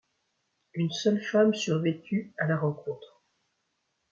Une seule femme survécut à la rencontre.